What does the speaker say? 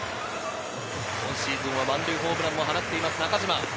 今シーズン、満塁ホームランも放っている中島。